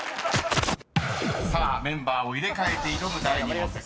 ［さあメンバーを入れ替えて挑む第２問です］